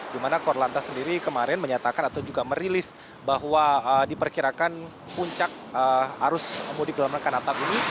dimana kor lantas sendiri kemarin menyatakan atau juga merilis bahwa diperkirakan puncak arus mudik dalam rangka natal ini